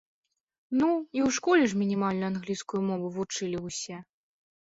Ну, і ў школе ж мінімальна англійскую мову вучылі ўсе.